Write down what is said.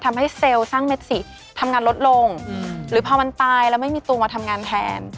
เซลล์สร้างเม็ดสิทำงานลดลงหรือพอมันตายแล้วไม่มีตัวมาทำงานแทน